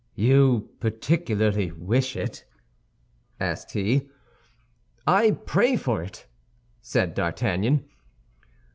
"You particularly wish it?" asked he. "I pray for it," said D'Artagnan.